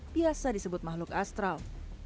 biasa disebut makhluk astral